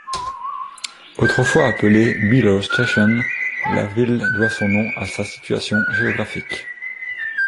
Autrefois appelée Beeler Station, la ville doit son nom à sa situation géographique.